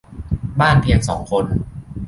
บ้านเพียง สอง คน